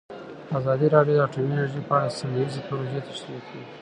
ازادي راډیو د اټومي انرژي په اړه سیمه ییزې پروژې تشریح کړې.